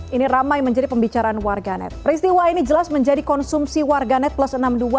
ini ramai menjadi pembicaraan warganet peristiwa ini jelas menjadi konsumsi warganet plus enam puluh dua